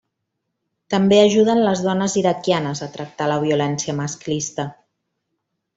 També ajuden les dones iraquianes a tractar la violència masclista.